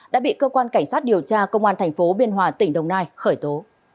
đã bị cơ quan cảnh sát điều tra công an thành phố biên hòa tỉnh đồng nai khởi tố